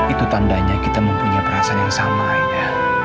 itu tandanya kita mempunyai perasaan yang sama ya